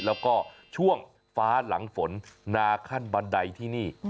แล้วก็ช่วงฟ้าหลังฝนนาขั้นบันไดที่นี่